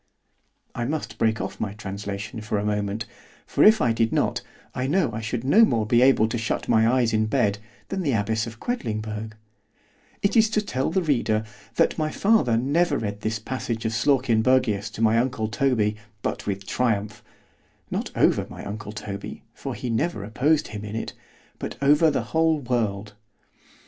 _ [——I must break off my translation for a moment; for if I did not, I know I should no more be able to shut my eyes in bed, than the abbess of Quedlingberg——It is to tell the reader; that my father never read this passage of Slawkenbergius to my uncle Toby, but with triumph——not over my uncle Toby, for he never opposed him in it——but over the whole world.